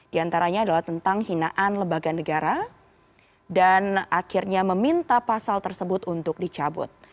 diantaranya adalah tentang hinaan lebaga negara dan akhirnya meminta pasal tersebut untuk dicabut